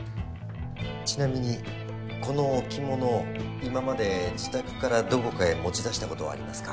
ちなみにこの置物を今まで自宅からどこかへ持ち出したことはありますか？